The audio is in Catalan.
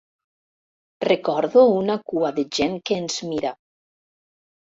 Recordo una cua de gent que ens mira.